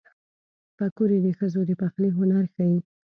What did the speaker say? پکورې د ښځو د پخلي هنر ښيي